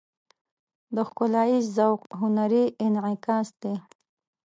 د ښکلاییز ذوق هنري انعکاس دی.